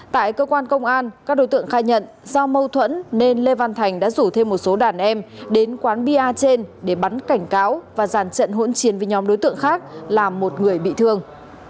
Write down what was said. tại cơ quan công an các đối tượng khai nhận do mâu thuẫn nên lê văn thành đã rủ thêm một số đàn em đến quán bia trên để bắn cảnh cáo và giàn trận hỗn chiến với nhóm đối tượng khác làm một người bị thương